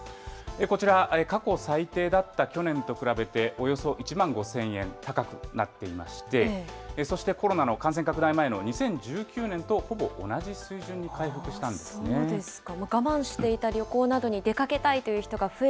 こちら、過去最低だった去年と比べて、およそ１万５０００円高くなっていまして、そしてコロナの感染拡大前の２０１９年とほぼ同じ水準に回復したんですね。